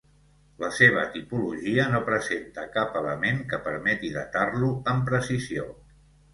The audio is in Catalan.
La seva tipologia no presenta cap element que permeti datar-lo amb precisió.